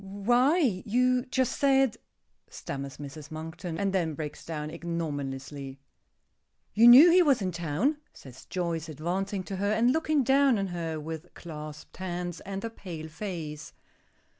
"Why you just said " stammers Mrs. Monkton, and then breaks down ignominiously. "You knew he was in town," says Joyce, advancing to her, and looking down on her with clasped hands and a pale face.